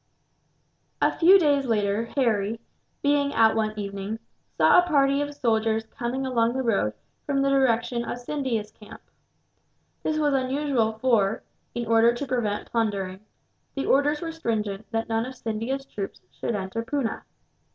A few days later, Harry, being out one evening, saw a party of soldiers coming along the road from the direction of Scindia's camp. This was unusual for, in order to prevent plundering, the orders were stringent that none of Scindia's troops should enter Poona.